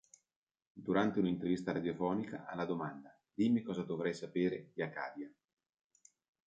Durante un'intervista intervista radiofonica, alla domanda: "Dimmi cosa dovrei sapere di Acadia?